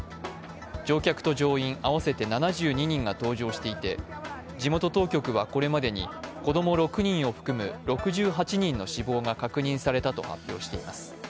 乗客と乗員、合わせて７２人が搭乗していて地元当局はこれまでに子供６人を含む６８人の死亡が確認されたと発表しています。